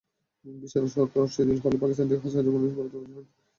ভিসার শর্ত শিথিল হলে পাকিস্তান থেকে হাজার হাজার মানুষ ভারতে আসবেন।